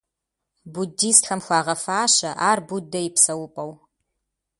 Буддистхэм хуагъэфащэ ар Буддэ и псэупӀэу.